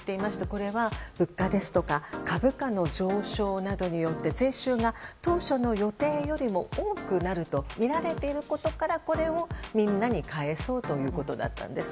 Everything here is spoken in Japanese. これは物価や株価の上昇などによって税収が当初の予定よりも多くなるとみられていることからこれをみんなに返そうということだったんです。